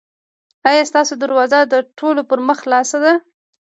ایا ستاسو دروازه د ټولو پر مخ خلاصه ده؟